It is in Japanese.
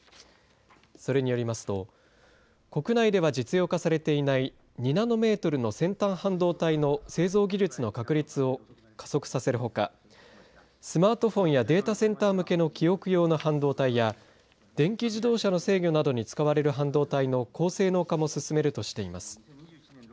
それによりますと国内では実用化されていない２ナノメートルの先端半導体の製造技術の確立を加速させるほかスマートフォンやデータセンター向けの記憶用の半導体や電気自動車の制御などに使われる半導体の高性能化も進めるとしています。